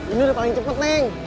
ini udah paling cepet neng